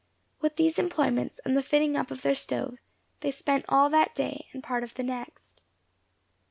With these employments, and the fitting up of their stove, they spent all that day, and part of the next.